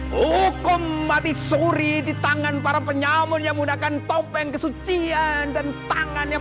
hukum mati suri di tangan para penyamun yang menggunakan topeng kesucian dan tangan yang